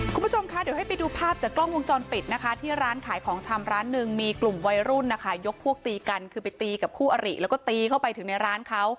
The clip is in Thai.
คุณผู้ชมคะเดี๋ยวให้ไปดูภาพจากกล้องวงจรปิดนะคะที่ร้านขายของชำร้านหนึ่งมีกลุ่มวัยรุ่นนะคะยกพวกตีกันคือไปตีกับคู่อริแล้วก็ตีเข้าไปถึงในร้านเขา